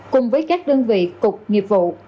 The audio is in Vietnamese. cùng với các đơn vị cục nghiệp vụ